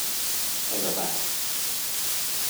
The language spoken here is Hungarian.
Ez a bár.